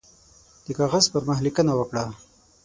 د کاغذ پر مخ لیکنه وکړه.